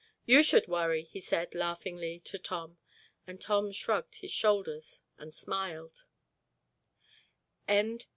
"You should worry," he said, laughingly to Tom. And Tom shrugged his shoulders and smiled.